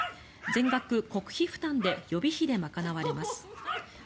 全額国費負担で予備費で賄われます。